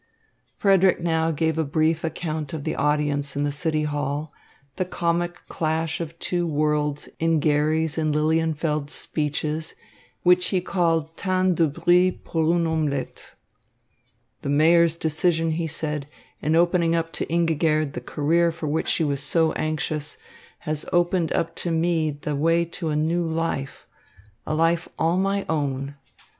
Frederick now gave a brief account of the audience in the City Hall, the comic clash of two worlds in Garry's and Lilienfeld's speeches, which he called tant de bruit pour une omelette. "The Mayor's decision," he said, "in opening up to Ingigerd the career for which she was so anxious, has opened up to me the way to a new life, a life all my own.